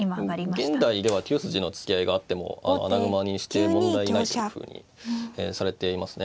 現代では９筋の突き合いがあっても穴熊にして問題ないというふうにされていますね。